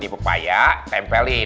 di pepaya tempelin